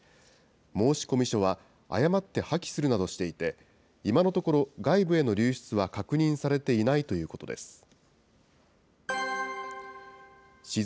申込書は、誤って破棄するなどしていて、今のところ外部への流出は確認されていないということです。